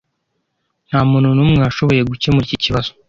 Ntamuntu numwe washoboye gukemura iki kibazo.